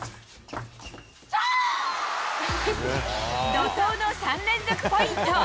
怒とうの３連続ポイント。